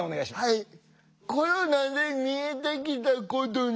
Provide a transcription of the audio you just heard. はい。